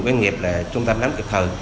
doanh nghiệp là trung tâm nắm kịp thời